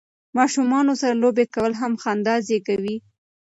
ماشومانو سره لوبې کول هم خندا زیږوي.